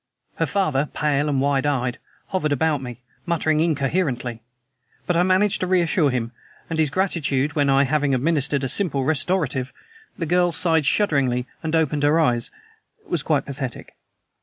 Her father, pale and wide eyed, hovered about me, muttering incoherently; but I managed to reassure him; and his gratitude when, I having administered a simple restorative, the girl sighed shudderingly and opened her eyes, was quite pathetic.